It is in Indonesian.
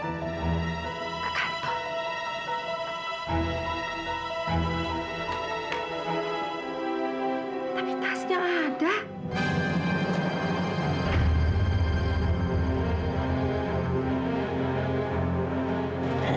tapi tasnya ada